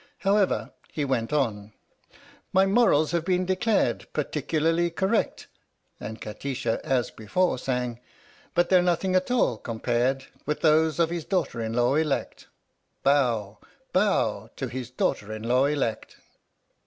However, he went on: My morals have been declared Particularly correct And Kati sha, as before, sang: But they're nothing at all compared With those of his daughter in law elect ! Bow ! Bow ! To his daughter in law elect